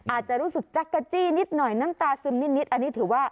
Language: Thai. อาจจะรู้สึกจักรจี้นิดหน่อยน้ำตาซึมนิดอันนี้ถือว่า